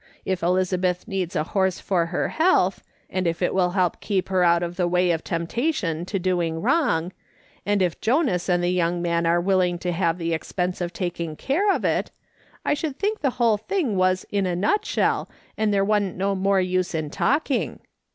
If Elizabeth needs a horse for her health, and if it will help keep her out of the way of temptation to doing WTOUg, and if Jonas and the young man are willing to have the expense of taking care of it, I should think the hull thing was in a nutshell, and there wa'n'c no more use in talking.'